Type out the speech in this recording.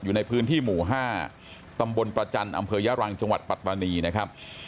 อยู่ในพื้นที่หมู่๕ตำบลประจันทร์อำเภอยะรังจังหวัดปัตตานีนะครับ